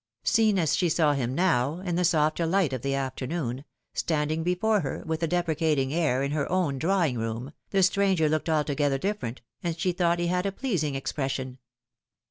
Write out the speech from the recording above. Seen as she saw him now, in the softer light of the afternoon, standing before her with a deprecating air in her own drawing room, the stranger looked altogether different, and she thought he haa ft pleasing expression.